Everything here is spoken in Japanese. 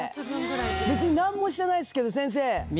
別になんもしてないですけど先生。